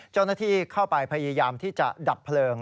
เจ้าหน้าที่เข้าไปพยายามที่จะดับเพลิง